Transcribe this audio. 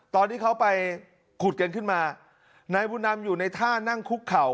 ตอนที่เขาไปขุดกันขึ้นมานายบุญนำอยู่ในท่านั่งคุกเข่า